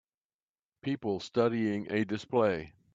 People studying a display.